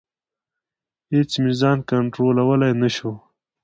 اېڅ مې ځان کنټرولولی نشو.